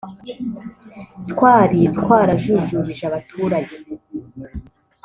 twari twarajujubije abaturage